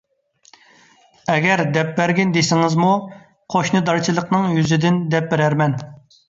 ئەگەر دەپ بەرگىن دېسىڭىزمۇ، قوشنىدارچىلىقنىڭ يۈزىدىن دەپ بېرەرمەن.